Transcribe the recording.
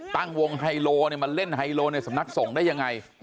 ตั้งวงไฮโลมาเล่นไฮโลในสำนักส่งได้ยังไง